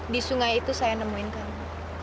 di sungai itu saya nemuin kamu